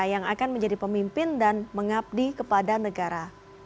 yang akan menjadi pemimpin dan mengabdi kepada negara